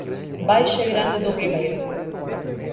Baixa Grande do Ribeiro